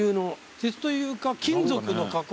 鉄というか金属の加工？